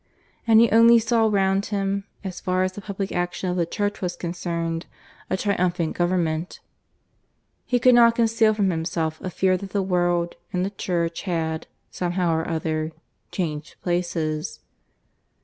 And he only saw round him, so far as the public action of the Church was concerned, a triumphant Government. He could not conceal from himself a fear that the world and the Church had, somehow or other, changed places.